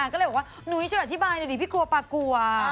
ก็เลยบอกว่านุ้ยช่วยอธิบายหน่อยดิพี่กลัวปลากลัว